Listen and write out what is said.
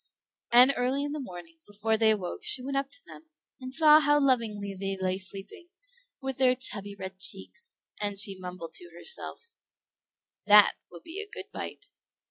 And early in the morning, before they awoke, she went up to them, and saw how lovingly they lay sleeping, with their chubby red cheeks; and she mumbled to herself, "That will be a good bite."